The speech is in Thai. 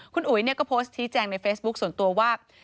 คุณอุ๋ยก็โพสต์ชี้แจงในเฟซบุ๊คส่วนตัวว่า